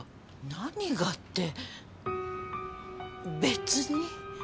何がって別に。